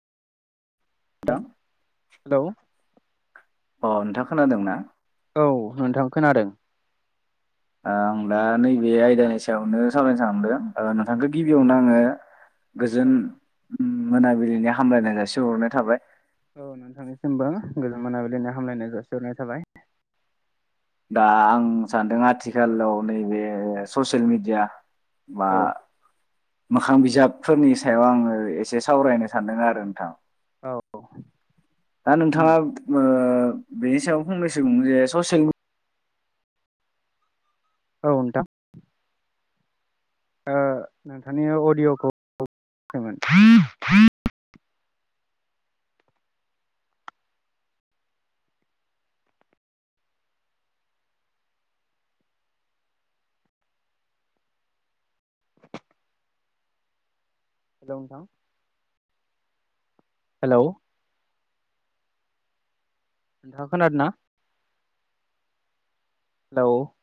नोंथां हेलौ अ नोंथां खोनादों ना औ नोंथां खोनादों। आं दा नैबे आयदानि सायावनो सावरायनो सानदों ओ नोंथांखौ गिबियावनो आङो गोजोन औ मोनाबिलिनि हामलायनाय जासिग हरनाय थाबाय। औ नोंथांनिसिमबो गोजोन मोनाबिलिनि हामलायनाय जासिहरनाय थाबाय। दा आं सानदों आथिखालाव नैबे ससियेल मेडिया बा औ मोखां बिजाबफोरनि सायाव आङो एसे सावरायनो सानदों आरो नोंथां। औ औ दा उम नोंथाङा ओ बेनि सायाव फंनैसो बुं जे ससियेल औ नोंथां ओ नोंथांनि अडिय'खौ खोनायाखैमोन हेल नोंथां। हेलौ नोंथाङा खोनादों ना हेल'